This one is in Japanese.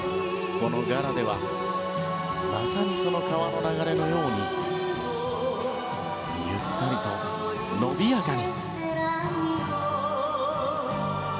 このガラではまさに、その川の流れのようにゆったりと、のびやかに。